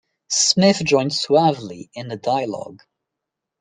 Smith joined suavely in the dialogue.